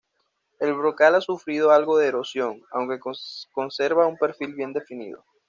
El brocal ha sufrido algo de erosión, aunque conserva un perfil bien definido.